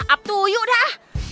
up to yuk dah